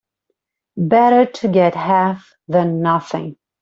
Better to get half than nothing.